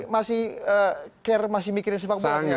masih care masih mikirin sepak bola ternyata anda ya